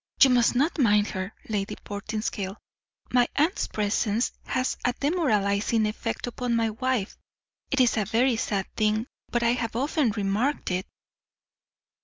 "You must not mind her, Lady Portinscale; my aunt's presence has a demoralizing effect upon my wife. It is a very sad thing, but I have often remarked it."